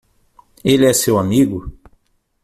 Ele é seu amigo?